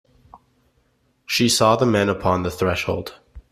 She saw the men upon the threshold.